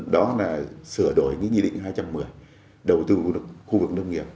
đó là sửa đổi nghị định hai trăm một mươi đầu tư vào khu vực nông nghiệp